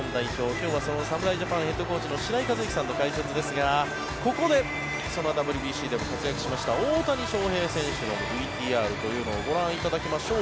今日はその侍ジャパンヘッドコーチの白井一幸さんの解説ですが、ここでそのＷＢＣでも活躍しました大谷翔平選手のＶＴＲというのをご覧いただきましょう。